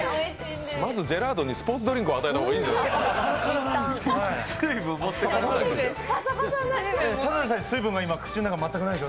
まずジェラードンにスポーツドリンクを与えた方がいいんじゃないか。